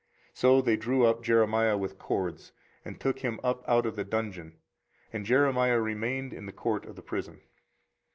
24:038:013 So they drew up Jeremiah with cords, and took him up out of the dungeon: and Jeremiah remained in the court of the prison.